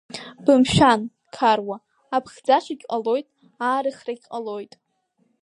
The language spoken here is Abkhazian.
Бымшәан, Қаруа, аԥхӡашагь ҟалоит, аарыхрагь ҟалоит.